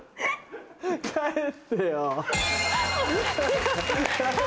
帰ってよ。